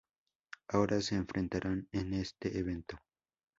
Ahora se enfrentaran en este evento.